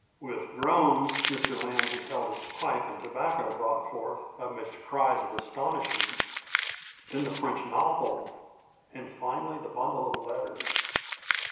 With groans, Mr. Lambe beheld his pipe and tobacco brought forth, amidst cries of astonishment, then the French novel; and, finally, the bundle of letters.